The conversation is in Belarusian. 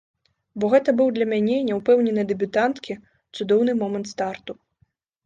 Бо гэта быў для мяне, няўпэўненай дэбютанткі, цудоўны момант старту.